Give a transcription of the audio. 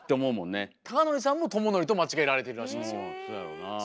孝則さんも智則と間違えられてるらしいんですよ。